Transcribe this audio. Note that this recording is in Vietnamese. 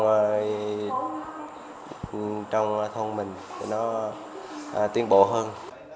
thì trong thông minh thì nó tiến bộ hơn